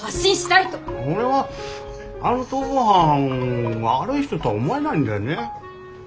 俺はあの逃亡犯悪い人とは思えないんだよね。